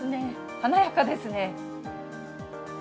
華やかですね。